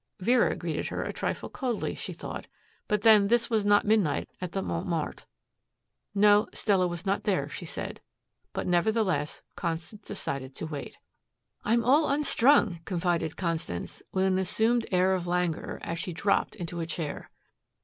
Vera greeted her a trifle coldly, she thought, but then this was not midnight at the Montmartre. No, Stella was not there, she said, but nevertheless Constance decided to wait. "I'm all unstrung," confided Constance, with an assumed air of languor, as she dropped into a chair.